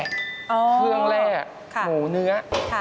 เครื่องแร่หมูเนื้อ